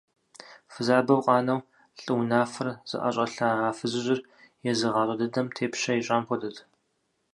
Фызабэу къанэу лӏы унафэр зыӏэщӏэлъа а фызыжьыр езы гъащӏэ дыдэм тепщэ ищӏам хуэдэт.